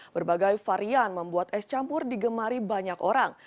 berbagai varian membuat es campur digemari banyak orang